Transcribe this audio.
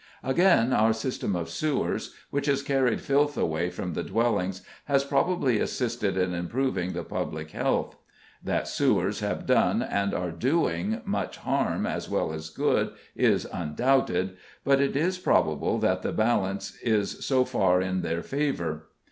Again, our system of sewers, which has carried filth away from the dwellings, has probably assisted in improving the public health. That sewers have done and are doing much harm as well as good is undoubted, but it is probable that the balance is so far in their favour.